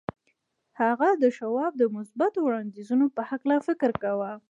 هغه د شواب د مثبتو وړاندیزونو په هکله فکر کاوه